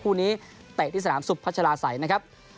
คู่นี้เตะที่สนามสุพัชลาศัยนะครับ